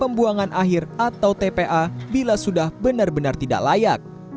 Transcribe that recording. pembuangan akhir atau tpa bila sudah benar benar tidak layak